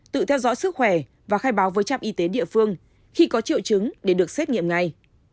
tự theo dõi sức khỏe và khai báo với trạm y tế địa phương khi có triệu chứng để được xét nghiệm ngay